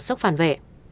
sốc phản vệ